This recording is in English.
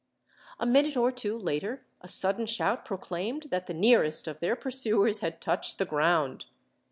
A minute or two later a sudden shout proclaimed that the nearest of their pursuers had touched the ground.